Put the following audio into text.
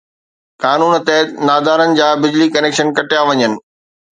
قانون تحت نادارن جا بجلي جا ڪنيڪشن ڪٽيا وڃن